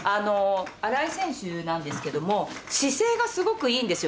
新井選手なんですけども、姿勢がすごくいいんですよ。